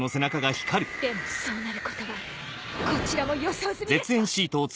でもそうなることはこちらも予想済みですわ。